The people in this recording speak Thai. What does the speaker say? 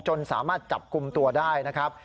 สามารถจับกลุ่มตัวได้นะครับ